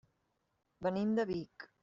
Venim de Vic.